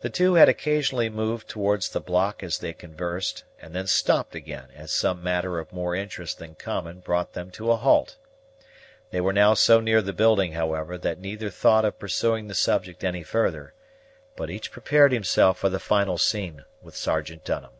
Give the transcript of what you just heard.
The two had occasionally moved towards the block as they conversed, and then stopped again as some matter of more interest than common brought them to a halt. They were now so near the building, however, that neither thought of pursuing the subject any further; but each prepared himself for the final scene with Sergeant Dunham.